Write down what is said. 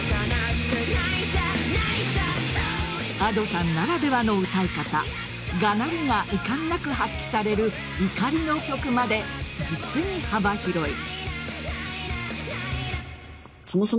Ａｄｏさんならではの歌い方がなりがいかんなく発揮される怒りの曲まで実に幅広い。